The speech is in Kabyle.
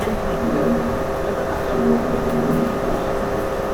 Fell-am tettru tiṭ n win yemmuten.